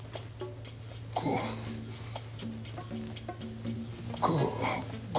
こうこう。